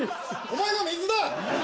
お前は水だ！